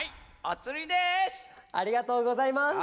ありがとうございます。